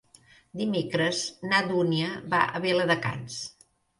Dimecres na Dúnia va a Viladecans.